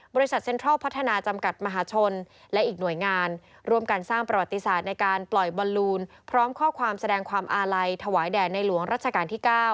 เซ็นทรัลพัฒนาจำกัดมหาชนและอีกหน่วยงานร่วมกันสร้างประวัติศาสตร์ในการปล่อยบอลลูนพร้อมข้อความแสดงความอาลัยถวายแด่ในหลวงรัชกาลที่๙